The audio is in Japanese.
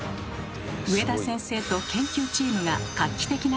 上田先生と研究チームが画期的な発見をしました。